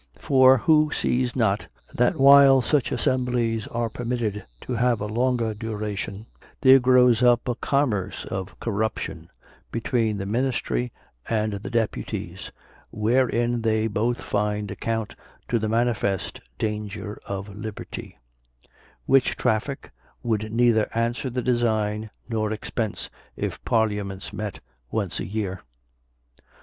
For who sees not, that while such assemblies are permitted to have a longer duration, there grows up a commerce of corruption between the ministry and the deputies, wherein they both find account, to the manifest danger of liberty; which traffic would neither answer the design nor expense, if parliaments met once a year.